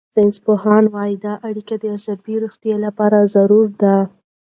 ساینسپوهان وايي دا اړیکه د عصبي روغتیا لپاره ضروري ده.